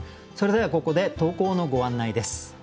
それではここで投稿のご案内です。